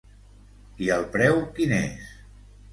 I el preu quin és?